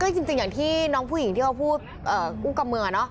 ก็จริงที่น้องผู้หญิงเรียกกิ้วกับเมืองอ่ะ